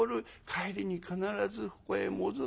帰りに必ずここへ戻ってくる。